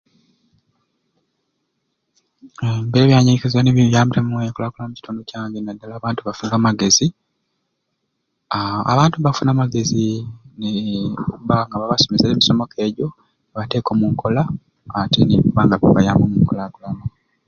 Aaa engeri ebyanyegesya nibinyambireemu enkulakulana omukitundu kyange nadala abantu bafunire amagezi aaa abantu mbafuna amagezi okubanga babasomeserye emisomo nkeejo bateka omunkola ate mbiba nga bikubayamba okunkulakulana.